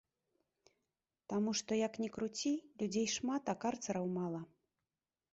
Таму што, як ні круці, людзей шмат, а карцараў мала.